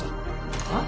はっ？